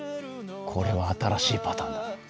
これは新しいパターンだな。